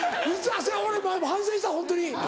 俺も今反省したホントに。